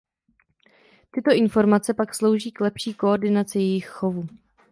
Tyto informace pak slouží k lepší koordinaci jejich chovu.